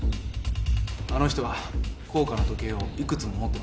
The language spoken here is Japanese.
あの人は高価な時計を幾つも持ってました。